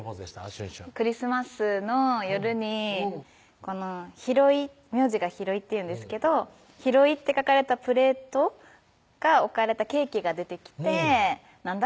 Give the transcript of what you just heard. しゅんしゅんクリスマスの夜に名字が広井っていうんですけど「広井」って書かれたプレートが置かれたケーキが出てきて何だ？